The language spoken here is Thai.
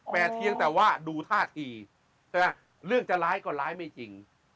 แต่เพียงแต่ว่าดูท่าทีใช่ไหมเรื่องจะร้ายก็ร้ายไม่จริง